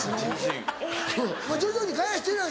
徐々に返してるやろ？